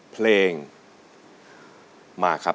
เพลงมาครับ